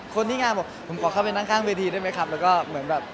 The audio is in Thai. คนที่งานบอกผมขอเข้าไปนั่งข้างเวทีได้ไหมครับแล้วก็เหมือนแบบ